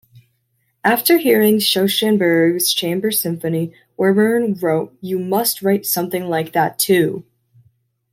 After hearing Schoenberg's Chamber Symphony, Webern wrote You must write something like that, too!